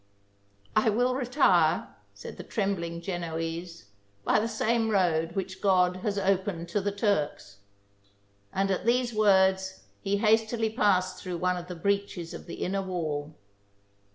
" I will retire," said the trembling Genoese, " by the same road winch God has opened to the Turks "; and at these words he hastily passed through one of the breaches of the inner wall.